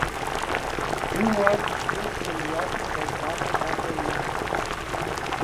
He was dismissed from the office by Gamal Abdel Nasser.